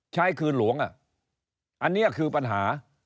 ช่ายคืนหลวงเนี่ยคือปัญหา